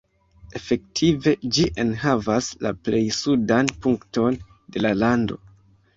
Efektive ĝi enhavas la plej sudan punkton de la lando.